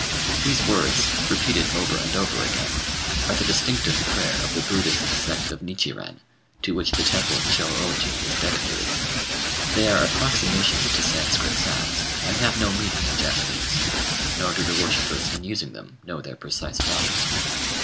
These words, repeated over and over again, are the distinctive prayer of the Buddhist sect of Nichiren, to which the temple Chô ô ji is dedicated. They are approximations to Sanscrit sounds, and have no meaning in Japanese, nor do the worshippers in using them know their precise value.